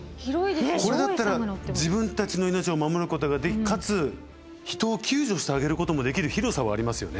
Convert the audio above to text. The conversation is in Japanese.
これだったら自分たちの命を守ることができかつ人を救助してあげることもできる広さはありますよね。